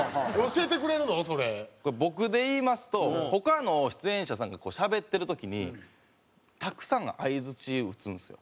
僕で言いますと他の出演者さんがこうしゃべってる時にたくさん相づち打つんですよ。